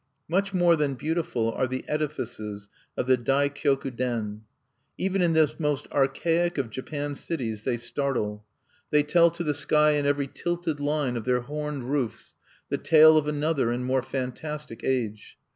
Much more than beautiful are the edifices of the Dai Kioku Den. Even in this most archaic of Japan cities they startle; they tell to the sky in every tilted line of their horned roofs the tale of another and more fantastic age.